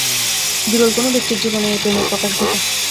বিরল কোন ব্যক্তির জীবনে এই প্রেমের প্রকাশ ঘটে।